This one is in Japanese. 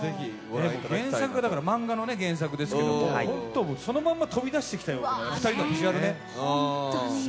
原作は漫画の原作ですけれども、そのまま飛び出してきたような２人のビジュアルね。